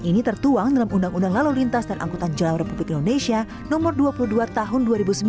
ini tertuang dalam undang undang lalu lintas dan angkutan jalan republik indonesia nomor dua puluh dua tahun dua ribu sembilan